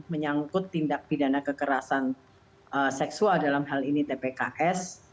menyangkut tindak pidana kekerasan seksual dalam hal ini tpks